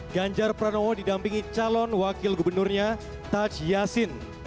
ganjar pranowo didampingi calon wakil gubernurnya taj yassin